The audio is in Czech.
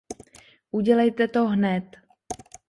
Udělejte to hned.